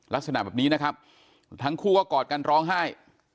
ลักษณะแบบนี้นะครับทั้งคู่ก็กอดกันร้องไห้